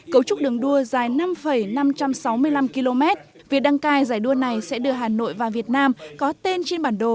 cấu trúc đường đua dài năm năm trăm sáu mươi năm km việc đăng cai giải đua này sẽ đưa hà nội và việt nam có tên trên bản đồ